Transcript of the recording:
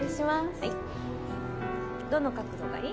はいどの角度がいい？